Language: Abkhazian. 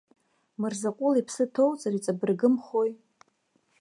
Мырзаҟәыл иԥсы ҭоуҵар, иҵабыргымхои!